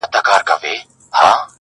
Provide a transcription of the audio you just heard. ستاسو خوږو مینوالو سره شریکوم؛